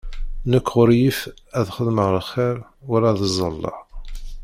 Nek ɣur-i yif ad xedmeɣ lxiṛ wala ad ẓalleɣ.